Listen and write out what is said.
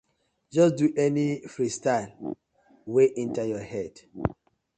Just do any freestyle wey enter yur head.